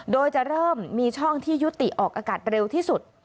โดยจะเริ่มมีช่องที่ยุติออกอากาศเร็วที่สุด